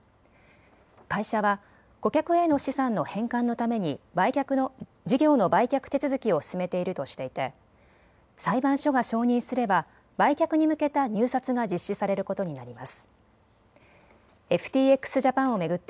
会社は顧客への資産の返還のために事業の売却手続きを進めているとしていて裁判所が承認すれば売却に向けた入札が実施されることになります。